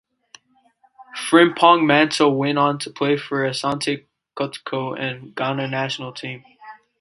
Frimpong Manso went on to play for Asante Kotoko and Ghana national team.